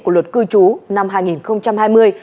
của luật cư trú năm hai nghìn hai mươi